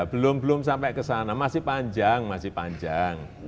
belum belum sampai ke sana masih panjang masih panjang